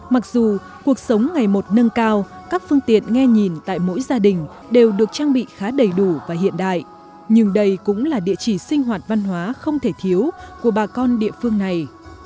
mặc dù cuộc sống ngày một nâng cao các phương tiện nghe nhìn tại mỗi gia đình đều được trang bị khá đầy đủ và hiện đại nhưng đây cũng là địa chỉ sinh hoạt văn hóa không thể thiếu của bà con địa phương này